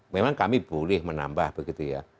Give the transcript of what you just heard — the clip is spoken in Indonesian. memang kami boleh menambah begitu ya